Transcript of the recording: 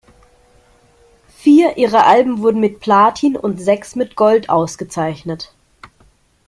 Vier ihrer Alben wurden mit Platin und sechs mit Gold ausgezeichnet.